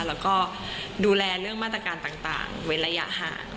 แล้วก็ดูแลเรื่องมาตรการต่างเว้นระยะห่าง